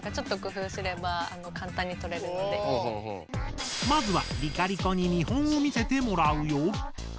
今はまずはりかりこに見本を見せてもらうよ！